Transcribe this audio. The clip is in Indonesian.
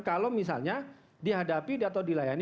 kalau misalnya dihadapi atau dilayani